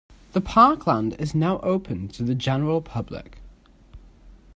The parkland is now open to the general public.